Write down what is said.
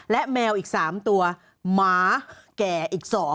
และแมวอีก๓ตัวหมาแก่อีก๒